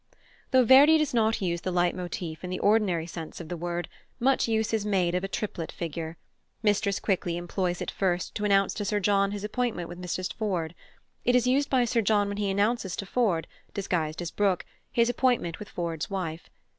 Though Verdi does not use the leit motif in the ordinary sense of the word, much use is made of a triplet figure. Mistress Quickly employs it first to announce to Sir John his appointment with Mistress Ford. It is used by Sir John when he announces to Ford, disguised as Brook, his appointment with Ford's wife.